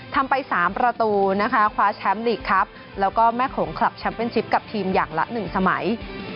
ทำไป๓ประตูนะคะคว้าแชมป์ลีกครับแล้วก็แม่โขงคลับแชมป์เป็นชิปกับทีมอย่างละ๑สมัย